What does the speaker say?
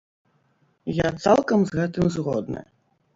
Я цалкам з гэтым згодны.